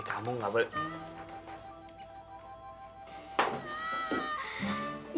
kamu gak boleh